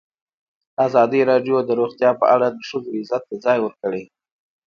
ازادي راډیو د روغتیا په اړه د ښځو غږ ته ځای ورکړی.